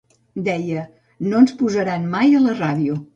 Deia, 'no ens posaran mai a la ràdio'.